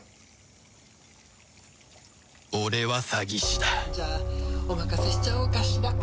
俺は詐欺師だじゃあお任せしちゃおうかしら。